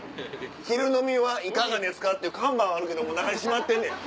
「昼飲みはいかがですか？」っていう看板はあるけども中にしまってんねん。